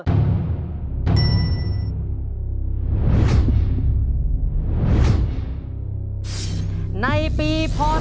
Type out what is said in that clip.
ชอบร้องเพลงเหรอลูกค่ะ